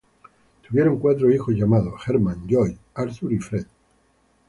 Tuvieron cuatro hijos llamados: Herman, Lloyd, Arthur y Fred.